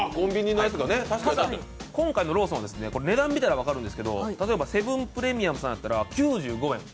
ただ、今回のローソン、値段見たら分かるんですけど、例えばセブンプレミアムさんだと９５円。